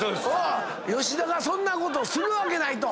吉田がそんなことするわけないと。